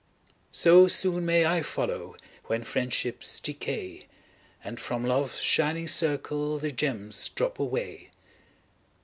So soon may I follow, When friendships decay, And from Love's shining circle The gems drop away.